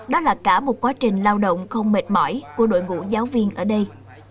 đó là cả một quá trình lao động không mệt mỏi của đội ngũ giáo viên ở đây